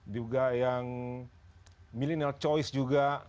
juga yang millennial choice juga